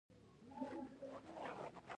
دا لاګ فایل د تېروتنو نښې ښيي.